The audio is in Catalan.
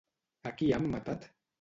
A qui han matat?